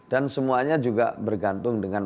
dan semuanya juga bergantung dengan